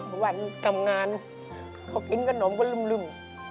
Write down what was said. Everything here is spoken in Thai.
วันทำงานเขากินขนมก็ลึ่ม